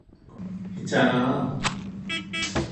있잖아.